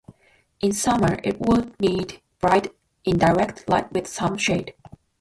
In summer it would need bright indirect light with some shade.